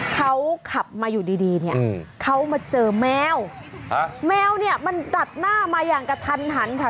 เขาขับมาอยู่ดีเขามาเจอแมวแมวนี่มันตัดหน้ามาอย่างกับทันค่ะ